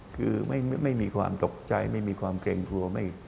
คือไม่มีความตกใจไม่มีความเกรงกลัว